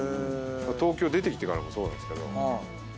東京出てきてからもそうなんですけど。